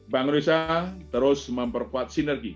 bangun risa terus memperkuat sinergi